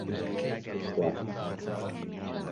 هێرشەکە هیچ زیانێکی گیانی بەدواوە نەبووە